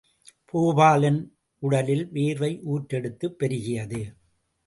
பூபாலனின் உடலில் வேர்வை ஊற்றெடுத்துப் பெருகியது.